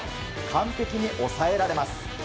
完璧に抑えられます。